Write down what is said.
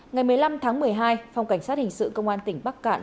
ngày một mươi năm tháng một mươi hai phòng cảnh sát hình sự công an tỉnh bắc cạn